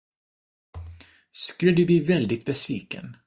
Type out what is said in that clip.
Skulle du bli väldigt besviken?